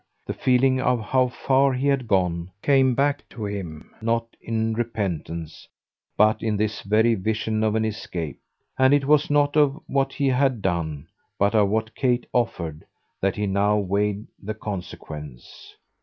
The feeling of how far he had gone came back to him not in repentance, but in this very vision of an escape; and it was not of what he had done, but of what Kate offered, that he now weighed the consequence.